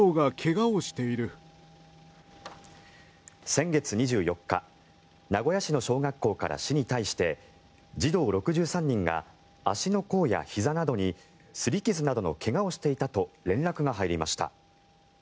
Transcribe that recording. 先月２４日名古屋市の小学校から市に対して児童６３人が足の甲やひざなどにすり傷などの怪我をしていたと連絡が入りました。